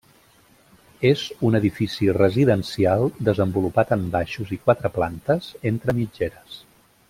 És un edifici residencial desenvolupat en baixos i quatre plantes, entre mitgeres.